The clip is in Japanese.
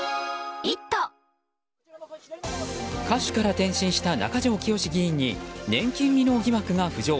歌手から転身した中条きよし議員に年金未納疑惑が浮上。